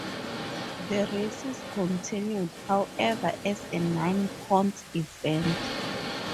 The races continued, however, as a non-points event.